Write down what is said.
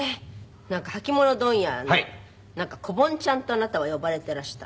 なんか履き物問屋のこぼんちゃんってあなたは呼ばれてらした。